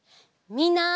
みんな！